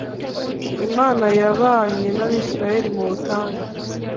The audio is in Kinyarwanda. Imana yabanye n’abisiraheli mu butayu